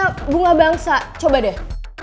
apa bunga bangsa coba deh